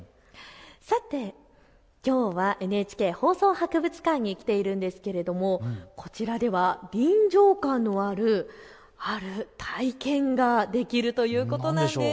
さてきょうはＮＨＫ放送博物館に来ているんですけれどもこちらでは臨場感のあるある体験ができるということなんです。